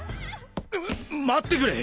えっ待ってくれ！